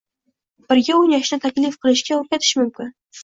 birga o‘ynashni taklif qilishga o‘rgatish mumkin.